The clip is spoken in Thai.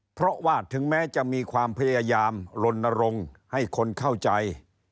เพราะว่าถึงแม้จะมีความพยายามลนรงค์ให้คนเข้าใจ